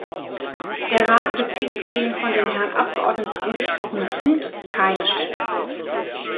Der Rat bezieht zu dem von dem Herrn Abgeordneten angesprochenen Punkt keine Stellung.